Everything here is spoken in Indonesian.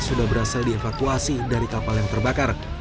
sudah berhasil dievakuasi dari kapal yang terbakar